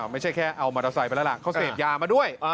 ไม่ใช่แค่เอามอเตอร์ไซค์ไปแล้วล่ะเขาเสพยามาด้วย